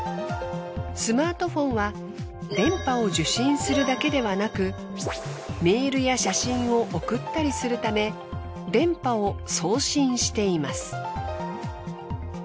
スマートフォンは電波を受信するだけではなくメールや写真を送ったりするため電波を送信しています。